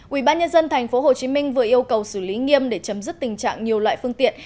ủy ban nhân dân tp hcm vừa yêu cầu xử lý nghiêm để chấm dứt tình trạng nhiều loại phương tiện